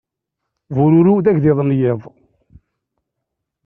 Bururu d agḍiḍ n yiḍ.